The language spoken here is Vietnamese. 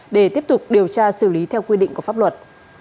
để tiếp tục điều tra xử lý theo quy định của pháp luật